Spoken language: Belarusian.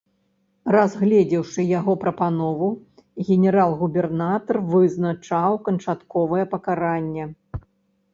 Разгледзеўшы яго прапанову, генерал-губернатар вызначаў канчатковае пакаранне.